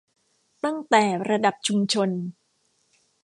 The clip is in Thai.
ตั้งแต่ระดับชุมชน